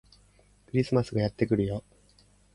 クリスマスがやってくるよ